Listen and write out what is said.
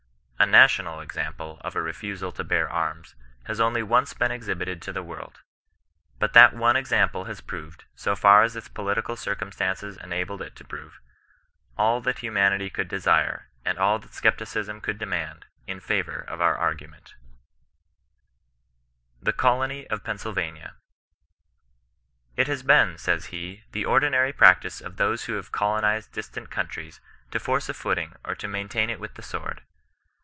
A national example ef ■ nftwd to bear arms, ha* only once been exhitdt«d to llie world ; lint thnt one example has proved, ao ftraa its ifitioal cirouraBtancos enabled it to prove, all that ho — '~f could duaire, and all that •oeptiwm could de OHBISTIAN NON BESISTAHGB. 133 THE COLONT OP PENNSYLVANIA. " It has been," says he, " the ordinary practice of those who have colonized distant countries, to force a footing, or to maintain it with the sword.